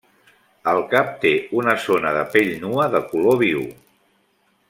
El cap té una zona de pell nua de color viu.